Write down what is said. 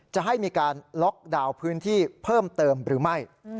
จะให้มีการล็อกดาวน์พื้นที่เพิ่มเติมหรือไม่